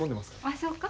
あそうか？